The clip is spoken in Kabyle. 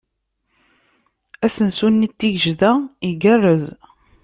Asensu-nni n Tigejda igarrez.